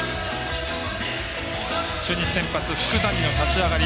中日、先発福谷の立ち上がり。